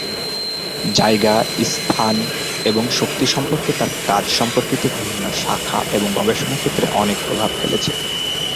জায়গা, স্থান এবং শক্তি সম্পর্কে তাঁর কাজ সম্পর্কিত বিভিন্ন শাখা এবং গবেষণা ক্ষেত্রে অনেক প্রভাব ফেলেছে।